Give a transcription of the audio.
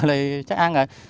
thì chắc ăn rồi